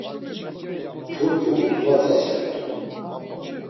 Purpu ut̆vatsasert̆u.